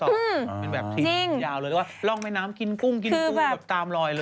เป็นแบบที่ยาวเลยหรือว่าลองแม่น้ำกินกุ้งตามลอยเลย